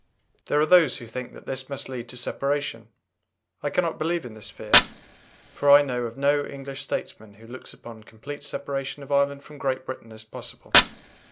There are those who think that this must lead to separation. I cannot believe in this fear, for I know of no English statesman who looks upon complete separation of Ireland from Great Britain as possible.